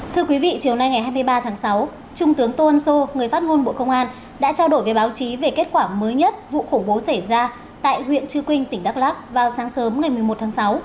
thưa quý vị chiều nay ngày hai mươi ba tháng sáu trung tướng tô ân sô người phát ngôn bộ công an đã trao đổi với báo chí về kết quả mới nhất vụ khủng bố xảy ra tại huyện trư quynh tỉnh đắk lắc vào sáng sớm ngày một mươi một tháng sáu